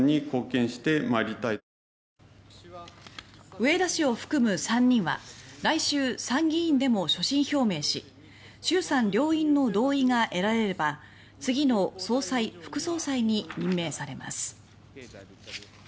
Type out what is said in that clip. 植田氏を含む３人は来週、参議院でも所信表明し衆参両院の同意が得られれば次の総裁・副総裁に任命されます。